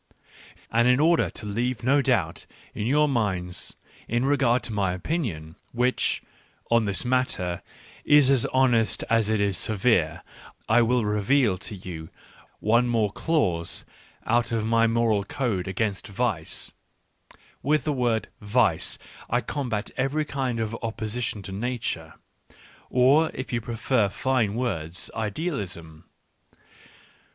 ... And in order to leave no doubt in your minds in regard to my opinion, which, on this matter, is as honest as it is severe, I will reveal to you one more clause out of my moral code against vice— with the word " vice " I combat every kind of \ opposition to Nature, or, if you prefer fine words, f idealism.